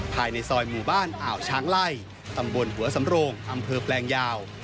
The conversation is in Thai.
ภายในซอยหมู่บ้านอ่าวช้างไล่ตำบลหัวสำโรงอำเภอแปลงยาว